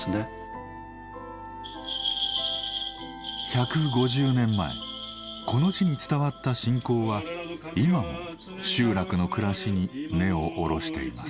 地方に住んでる１５０年前この地に伝わった信仰は今も集落の暮らしに根を下ろしています。